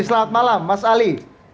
selamat malam mas ali